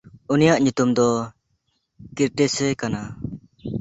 ᱩᱱᱤᱭᱟᱜ ᱧᱩᱛᱩᱢ ᱫᱚ ᱠᱤᱨᱴᱥᱮᱭ ᱠᱟᱱᱟ᱾